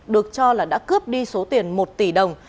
được cho là đã cướp đi số tiền một tỷ đồng